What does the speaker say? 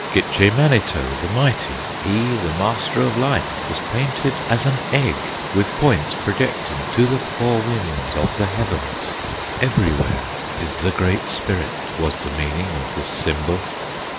Gitche Manito the Mighty, He, the Master of Life, was painted As an egg, with points projecting To the four winds of the heavens. Everywhere is the Great Spirit, Was the meaning of this symbol.